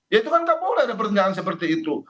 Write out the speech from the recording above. ya itu kan nggak boleh ada pertanyaan seperti itu